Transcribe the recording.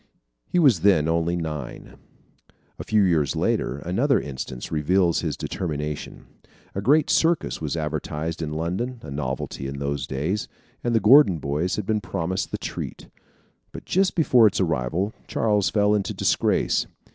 He was then only nine. A few years later, another instance reveals his determination. A great circus was advertised in London, a novelty in those days, and the Gordon boys had been promised the treat. But just before its arrival, Charles fell into disgrace.